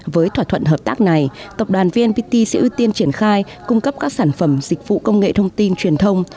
với thỏa thuận hợp tác này tập đoàn vnpt sẽ ưu tiên triển khai cung cấp các sản phẩm dịch vụ công nghệ thông tin truyền thông